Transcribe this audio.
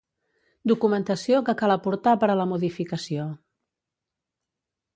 Documentació que cal aportar per a la modificació.